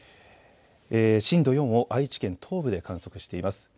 震度４を愛知県東部で観測しています。